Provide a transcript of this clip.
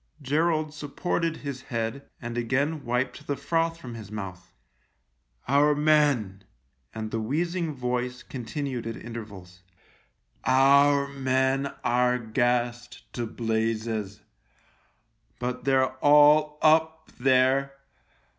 Gerald supported his head, and again wiped the froth from his mouth. " Our men," and the wheezing voice continued at intervals, " our men are gassed to blazes, but they're all up there.